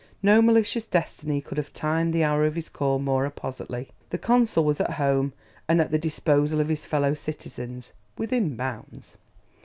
No malicious destiny could have timed the hour of his call more appositely; the consul was at home and at the disposal of his fellow citizens within bounds.